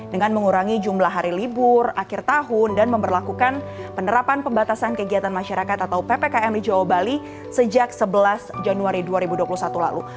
dengan mengurangi jumlah hari libur akhir tahun dan memperlakukan penerapan pembatasan kegiatan masyarakat atau ppkm di jawa bali sejak sebelas januari dua ribu dua puluh satu lalu